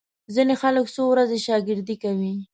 ځینې خلک څو ورځې شاګردي کوي.